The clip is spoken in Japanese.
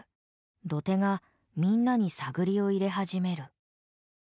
どてがみんなに探りを入れ始める。